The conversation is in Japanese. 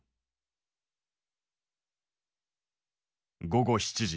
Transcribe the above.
午後７時。